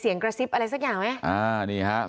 ที่บอกคือมีเสียงกระซิบอะไรสักอย่างไหม